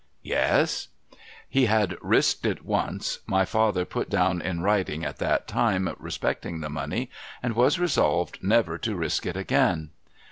' Yes ?'' He had risked it once— my father put down in writing at that time, respeclin.i( the money— and was resolved never to risk it again.'